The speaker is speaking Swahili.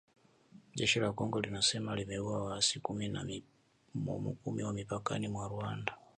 Jeshi la Kongo linasema limeua waasi kumi wa mipakani mwa Rwanda